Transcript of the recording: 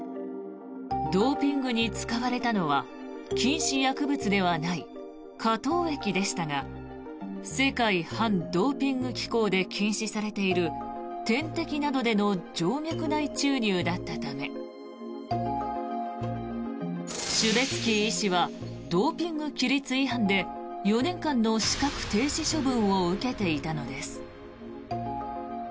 ドーピングに使われたのは禁止薬物ではない果糖液でしたが世界反ドーピング機構で禁止されている点滴などでの静脈内注入だったためシュベツキー医師はドーピング規律違反で４年間の資格停止処分を受けていたのです。